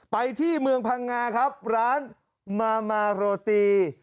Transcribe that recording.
ไปที่เมืองพังงาครับร้านมามาโรตี